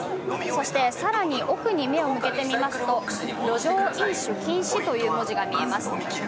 そして、更に奥に目を向けてみますと路上飲酒禁止という文字が見えます。